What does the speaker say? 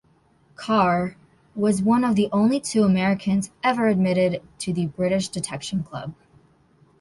Carr was one of only two Americans ever admitted to the British Detection Club.